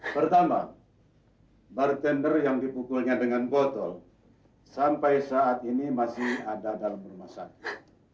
pertama bartender yang dipukulnya dengan botol sampai saat ini masih ada dalam rumah sakit